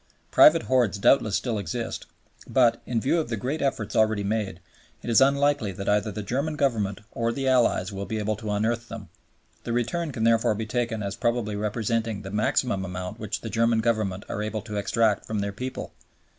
Private hoards doubtless still exist, but, in view of the great efforts already made, it is unlikely that either the German Government or the Allies will be able to unearth them. The return can therefore be taken as probably representing the maximum amount which the German Government are able to extract from their people.